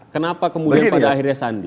kenapa kemudian pada akhirnya sandi